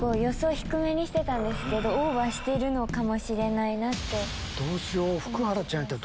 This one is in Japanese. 低めにしてたんですけどオーバーしてるのかもしれない。